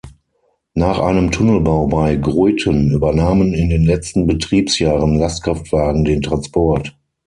Nach einem Tunnelbau bei Gruiten übernahmen in den letzten Betriebsjahren Lastkraftwagen den Transport.